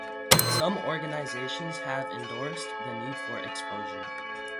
Some organizations have endorsed the need for exposure.